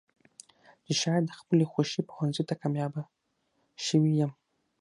چې شايد د خپلې خوښې پوهنځۍ ته کاميابه شوې يم.